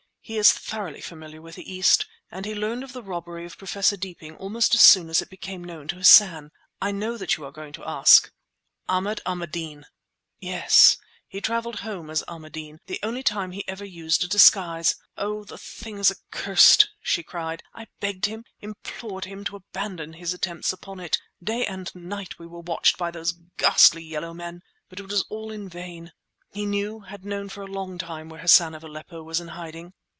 He is thoroughly familiar with the East, and he learned of the robbery of Professor Deeping almost as soon as it became known to Hassan. I know what you are going to ask—" "Ahmad Ahmadeen!" "Yes! He travelled home as Ahmadeen—the only time he ever used a disguise. Oh! the thing is accursed!" she cried. "I begged him, implored him, to abandon his attempts upon it. Day and night we were watched by those ghastly yellow men! But it was all in vain. He knew, had known for a long time, where Hassan of Aleppo was in hiding!"